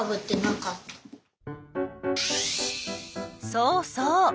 そうそう。